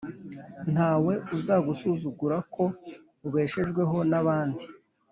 nta we uzagusuzugura ko ubeshejweho n’abandi.